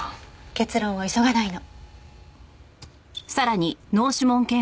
結論は急がないの。